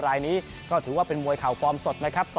รายนี้ก็ถือว่าเป็นมวยเข่าฟอร์มสดนะครับ